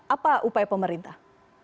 apa upaya pemerintah